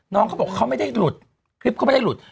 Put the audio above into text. เขาบอกเขาไม่ได้หลุดคลิปเขาไม่ได้หลุด